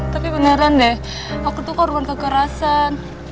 tapi beneran deh aku tuh korban kekerasan